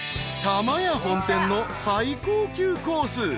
［たまや本店の最高級コース